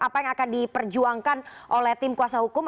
apa yang akan diperjuangkan oleh tim kuasa hukum